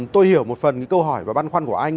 tôi hiểu một phần những câu hỏi và băn khoăn của anh